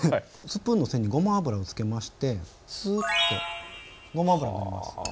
スプーンの背にごま油をつけましてスーッとごま油を塗ります。